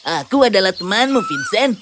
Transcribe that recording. aku adalah temanmu vincent